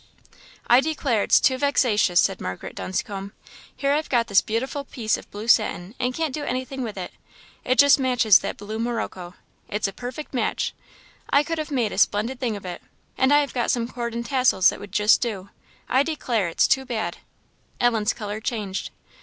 "I declare it's too vexatious!" said Margaret Dunscombe "here I've got this beautiful piece of blue satin, and can't do anything with it; it just matches that blue morocco it's a perfect match I could have made a splendid thing of it, and I have got some cord and tassels that would just do I declare it's too bad!" Ellen's colour changed.